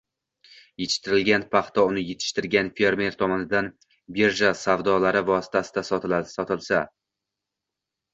yetishtirilgan paxta uni yetishtirgan fermer tomonidan birja savdolari vositasida sotilsa